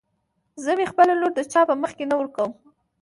زه مې خپله لور د چا په مخکې نه ورکم.